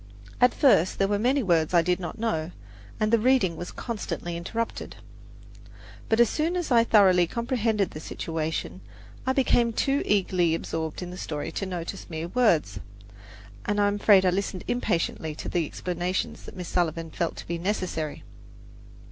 At first there were many words I did not know, and the reading was constantly interrupted; but as soon as I thoroughly comprehended the situation, I became too eagerly absorbed in the story to notice mere words, and I am afraid I listened impatiently to the explanations that Miss Sullivan felt to be necessary.